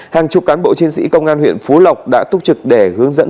hàng chục cán bộ chiến sĩ công an huyện phú lộc đã túc trực để hướng dẫn